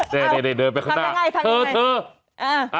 เดดด้วยด้วยด้วยคือข้างหน้าเอาะวิธีครับ